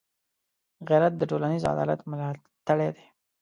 غیرت د ټولنيز عدالت ملاتړی دی